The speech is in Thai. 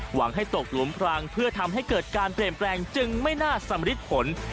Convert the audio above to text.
หวังให้ตกหลุมพรางเพื่อทำให้เกิดการเปลี่ยนแปลงจึงไม่น่าสำริดผล